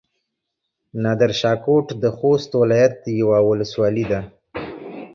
نادرشاه کوټ د خوست ولايت يوه ولسوالي ده.